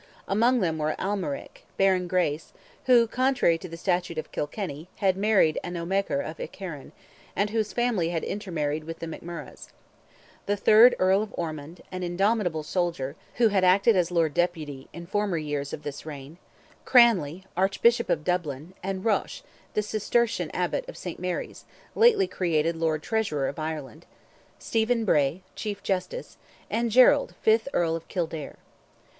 Among them were Almaric, Baron Grace, who, contrary to the statute of Kilkenny, had married an O'Meagher of Ikerrin, and whose family had intermarried with the McMurroghs; the third Earl of Ormond, an indomitable soldier, who had acted as Lord Deputy, in former years of this reign; Cranley, Archbishop of Dublin, and Roche, the Cistercian Abbot of St. Mary's, lately created Lord Treasurer of Ireland; Stephen Bray, Chief Justice; and Gerald, fifth Earl of Kildare.